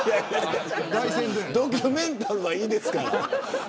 ドキュメンタルはいいですから。